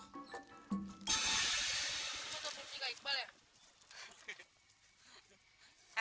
kita mau ke punggung kak iqbal ya